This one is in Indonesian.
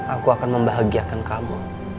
aku akan membahagiakan kamu